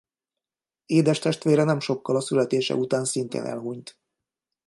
Édestestvére nem sokkal a születése után szintén elhunyt.